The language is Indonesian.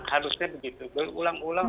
harusnya begitu berulang ulang